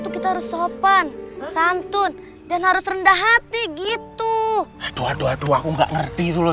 tuh kita harus sopan santun dan harus rendah hati gitu aduh aduh aduh aku nggak ngerti dulu